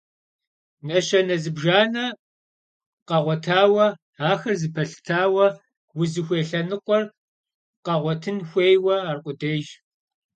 Neşene zıbjjane kheğuetaue, axer zepelhıtaue vuzıxuêy lhenıkhuer kheğuetın xuêyue arkhudêyş.